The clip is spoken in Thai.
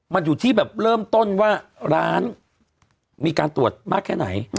มันอยู่ที่แบบเริ่มต้นว่าร้านมีการตรวจมากแค่ไหน